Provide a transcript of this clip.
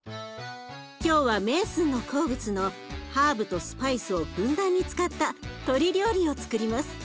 今日はメイスンの好物のハーブとスパイスをふんだんに使った鶏料理をつくります。